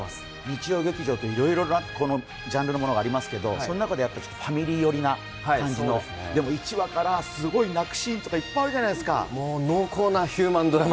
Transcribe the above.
日曜劇場っていろいろなジャンルのものがありますけれども、その中でファミリー寄りな感じの、でも、１話からすごい泣くシーンとかいっぱいあるじゃないですか。